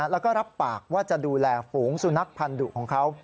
แล้วก็รับปากว่าจะดูแลฝูงสุนัขพันธุของเขา